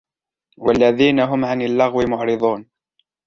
وَالَّذِينَ هُمْ عَنِ اللَّغْوِ مُعْرِضُونَ